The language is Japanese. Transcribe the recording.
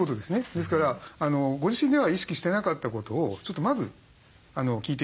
ですからご自身では意識してなかったことをちょっとまず聞いて頂く。